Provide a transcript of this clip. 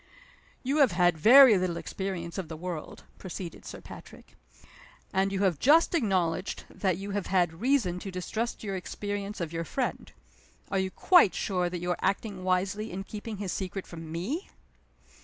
"You have had very little experience of the world," proceeded Sir Patrick. "And you have just acknowledged that you have had reason to distrust your experience of your friend. Are you quite sure that you are acting wisely in keeping his secret from _me?